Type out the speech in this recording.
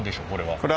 これは。